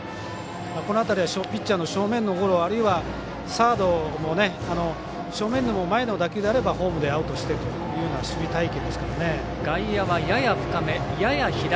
ピッチャーの正面のゴロサードも正面でも前の打球であればホームでアウトしてという守備隊形ですからね。